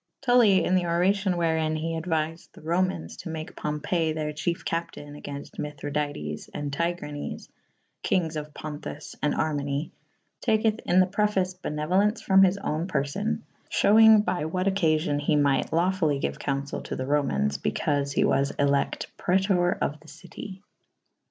Tull)' in the oracion / wherin he aduifed the Romaynes to make Pompey theyr chyefe capytayne againfte Mythrydates and Tvgranes / kynges of Ponthus and Armeny / taketh in the preface beneuole«ce from his owne perfon / I'hewynge by what occacvon he myght law fully gyue cou; zcell to the Romaynes / bycaufe he was electa Pretor of the citie.